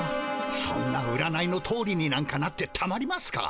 そんな占いのとおりになんかなってたまりますか。